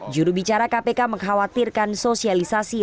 juru bicara kpk mengkhawatirkan sosialisasi